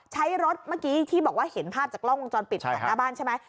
ใช้รถเมื่อกี้ที่บอกว่าเห็นภาพจากกล้องวงจรปิดผ่านหน้าบ้านใช่ไหม